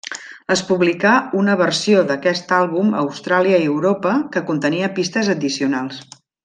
Es publicà una versió d'aquest àlbum a Austràlia i Europa que contenia pistes addicionals.